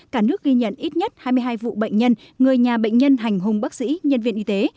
cả nước ghi nhận ít nhất hai mươi hai vụ bệnh nhân người nhà bệnh nhân hành hùng bác sĩ nhân viên y tế